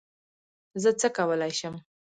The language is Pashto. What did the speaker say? زه څه کولی شم؟